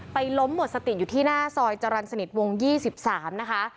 ล้มหมดสติอยู่ที่หน้าซอยจรรย์สนิทวง๒๓นะคะ